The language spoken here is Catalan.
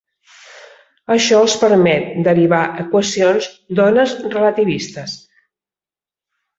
Això els permet derivar equacions d'ones relativistes.